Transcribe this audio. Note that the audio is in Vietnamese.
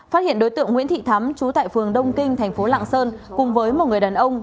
phát hiện đối tượng nguyễn thị thắm chú tại phường đông kinh tp lạng sơn cùng với một người đàn ông